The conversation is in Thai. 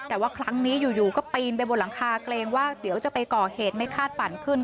แต่ว่าครั้งนี้อยู่ก็ปีนไปบนหลังคาเกรงว่าเดี๋ยวจะไปก่อเหตุไม่คาดฝันขึ้น